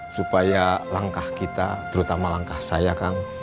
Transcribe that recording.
supaya langkah kita terutama langkah saya kang